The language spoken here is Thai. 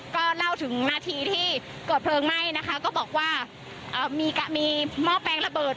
ก็เล่าถึงนาทีที่เกิดเพลิงไหม้นะคะก็บอกว่ามีหม้อแปลงระเบิด